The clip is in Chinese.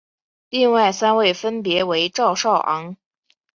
另外三位分别为赵少昂。